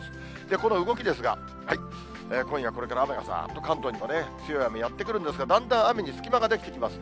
この動きですが、今夜これから雨がざーっと関東に強い雨がやって来るんですが、だんだん雨に隙間が出来てきます。